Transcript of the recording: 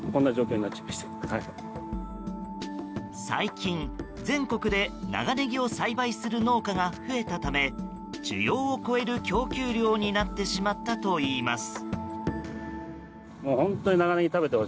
最近、全国で長ネギを栽培する農家が増えたため需要を超える供給量になってしまったといいます。